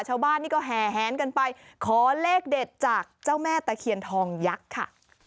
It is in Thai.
ชาวบ้านนี่ก็แห่แหนกันไปขอเลขเด็ดจากเจ้าแม่ตะเคียนทองยักษ์ค่ะ